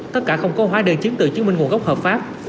tất cả không có hóa đơn chứng từ chứng minh nguồn gốc hợp pháp